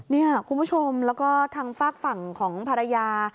นี่คุณผู้ชมแล้วก็ทางฝากฝั่งของภรรยา